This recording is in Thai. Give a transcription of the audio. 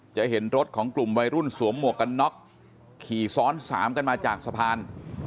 จะเห็นรถของกลุ่มวัยรุ่นสวมหมวกกันน็อกขี่ซ้อนสามกันมาจากสะพาน